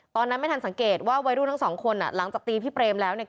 ตอนนั้นไม่ทันสังเกตว่าวัยรุ่นทั้งสองคนอ่ะหลังจากตีพี่เปรมแล้วเนี่ย